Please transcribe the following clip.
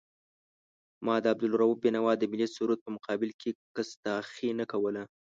ما د عبدالرؤف بېنوا د ملي سرود په مقابل کې کستاخي نه کوله.